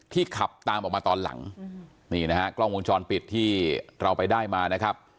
ขับตามออกมาตอนหลังนี่นะฮะกล้องวงจรปิดที่เราไปได้มานะครับ